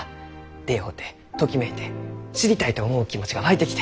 出会うてときめいて知りたいと思う気持ちが湧いてきて。